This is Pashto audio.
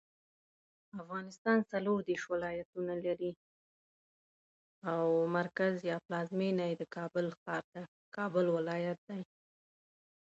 آيا د هغوی د حال پوښتنه مو ترې وکړه؟